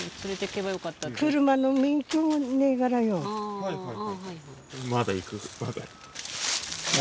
あはいはい。